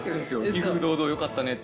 『威風堂々』よかったねって。